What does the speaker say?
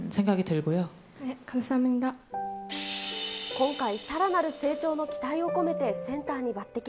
今回、さらなる成長の期待を込めてセンターに抜てき。